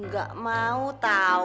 gak mau tau